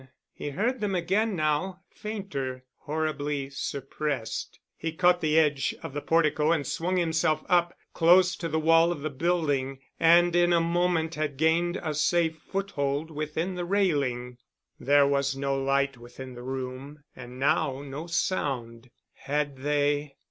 He heard them again now—fainter, horribly suppressed. He caught the edge of the portico and swung himself up, close to the wall of the building, and in a moment had gained a safe foot hold within the railing. There was no light within the room and now no sound. Had they